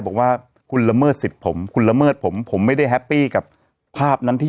บอกว่าคุณละเมิดสิทธิ์ผมคุณละเมิดผมผมไม่ได้แฮปปี้กับภาพนั้นที่